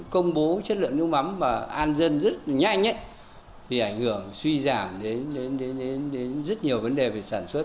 công bố chất lượng nước mắm mà an dân rất là nhanh thì ảnh hưởng suy giảm đến rất nhiều vấn đề về sản xuất